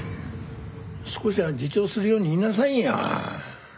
少しは自重するように言いなさいよ。